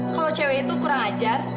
kalau cewek itu kurang ajar